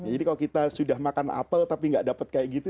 jadi kalau kita sudah makan apel tapi nggak dapat kayak gitu